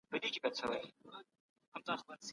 سیاست به په راتلونکي کي د ټولو ګډ کار وي.